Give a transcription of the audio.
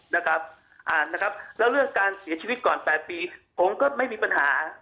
แล้วเรื่องการเสียชีวิตก่อน๘ปีผมก็ไม่มีปัญหา